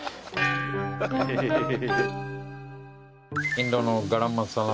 インドのガラムマサラ。